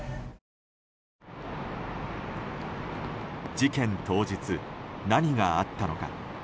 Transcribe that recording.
事件当日、何があったのか。